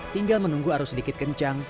tinggal menunggu arus sedikit kencang